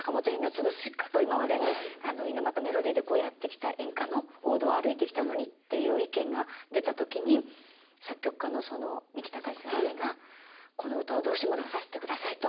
「今まで猪俣メロディーでこうやってきた演歌の王道を歩いてきたのに」っていう意見が出た時に作曲家の三木たかし先生が「この歌をどうしても出させてください」と。